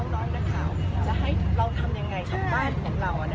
น้องคุณจะทำยังไง